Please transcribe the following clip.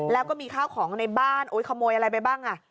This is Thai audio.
แล้วก็มีข้าวของในบ้านโอ้ยขโมยอะไรไปบ้างอ่ะ